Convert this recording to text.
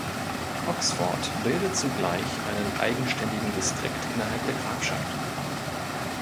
Oxford bildet zugleich einen eigenständigen Distrikt innerhalb der Grafschaft.